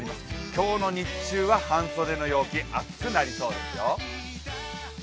今日の日中は半袖の陽気、暑くなりそうですよ。